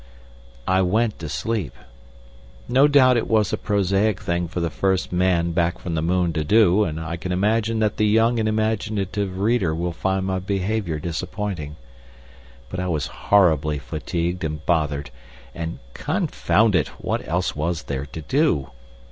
I went to sleep. No doubt it was a prosaic thing for the first man back from the moon to do, and I can imagine that the young and imaginative reader will find my behaviour disappointing. But I was horribly fatigued and bothered, and, confound it! what else was there to do?